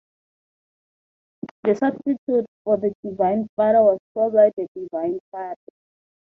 The substitute for the divine father was probably the divine son.